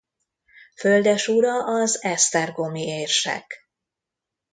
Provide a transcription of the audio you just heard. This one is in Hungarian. Földesura az esztergomi érsek.